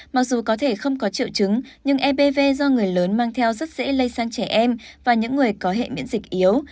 mặc dù có thể không có triệu chứng nhưng evv do người lớn mang theo rất dễ lây sang trẻ em và những người có hệ miễn dịch yếu